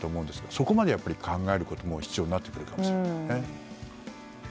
そこまで考えることが必要になってくるかもしれません。